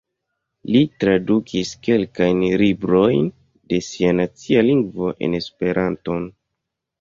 Li tradukis kelkajn librojn de sia nacia lingvo en Esperanton.